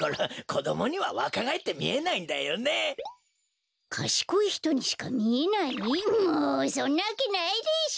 もうそんなわけないでしょ。